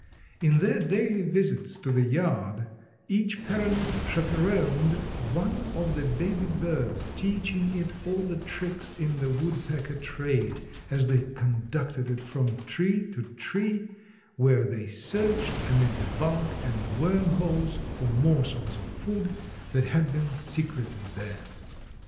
In their daily visits to the yard each parent chaperoned one of the baby birds, teaching it all the tricks in the woodpecker trade, as they conducted it from tree to tree where they searched amid the bark and worm holes for morsels of food that had been secreted there.